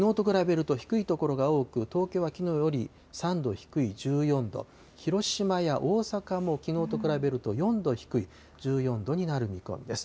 きょうはきのうと比べると低い所が多く、東京はきのうより３度低い１４度、広島や大阪もきのうと比べると４度低い１４度になる見込みです。